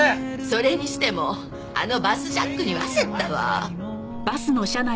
それにしてもあのバスジャックには焦ったわ。